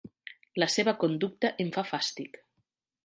La seva conducta em fa fàstic.